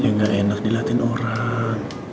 ya gak enak diliatin orang